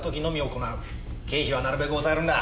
経費はなるべく抑えるんだ。